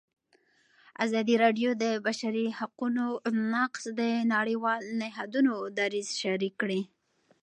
ازادي راډیو د د بشري حقونو نقض د نړیوالو نهادونو دریځ شریک کړی.